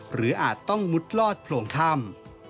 หรืออาจต้องมุดลอดโผล่งถ้ำ